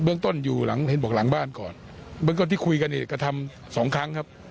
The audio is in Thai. เบื้องต้นอยู่หลังบ้านก่อนเบื้องต้นที่คุยกันกระทำสองครั้งครับ